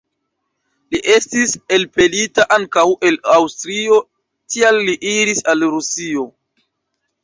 Li estis elpelita ankaŭ el Aŭstrio, tial li iris al Rusio.